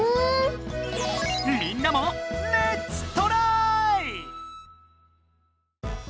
みんなもレッツトラーイ！